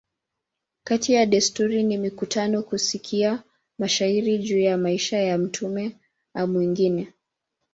Kati ya desturi ni mikutano, kusikia mashairi juu ya maisha ya mtume a mengine.